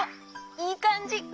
いいかんじ！